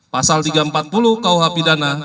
pasal tiga ratus empat puluh kuh pidana